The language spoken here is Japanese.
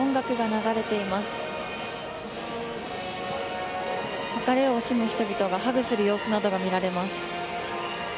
別れを惜しむ人々がハグする様子などが見られます。